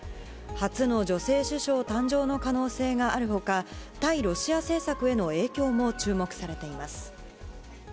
初の女性首相誕生の可能性があるほか、対ロシア政策への影響も注目されています。